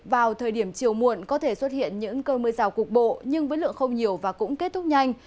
vào thời điểm chiều muộn có thể xuất hiện những cơn mưa rào cục bộ nhưng với lượng không nhiều và cũng kết thúc nhanh